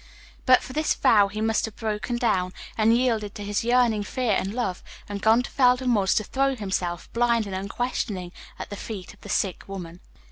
But for this vow he must have broken down, and yielded to his yearning fear and love, and gone to Felden Woods to throw himself, blind and unquestioning, at the feet of the sick woman.